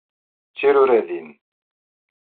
D tiruradin.